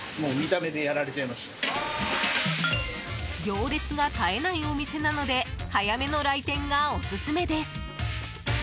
行列が絶えないお店なので早めの来店がオススメです。